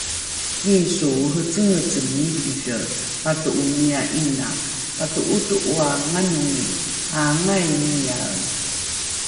Yisu ohecengecengilidhe pato'o miya 'ina pato'oto'oanganomi aangai miyae